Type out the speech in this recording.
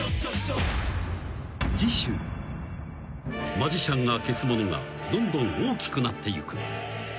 ［マジシャンが消すものがどんどん大きくなっていく］